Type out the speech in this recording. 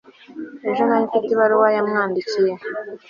ejo nari mfite ibaruwa yamwandikiye